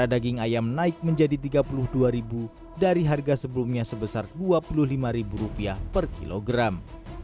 harga daging ayam naik menjadi rp tiga puluh dua dari harga sebelumnya sebesar rp dua puluh lima per kilogram